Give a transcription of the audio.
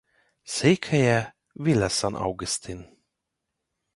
Székhelye Villa San Agustín.